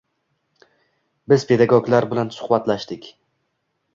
Biz pedagoglar bilan suhbatlashdik.